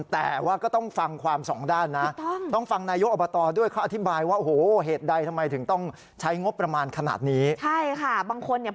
แต่ทั้งผ้าต้องฟังความสองด้านนะง